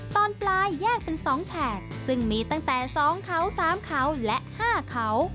ตอนปลายแยกเป็น๒แฉกซึ่งมีตั้งแต่๒เขา๓เขาและ๕เขา